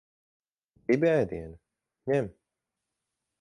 Gribi ēdienu? Ņem.